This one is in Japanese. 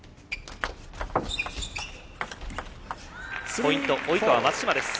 ポイント、及川、松島です。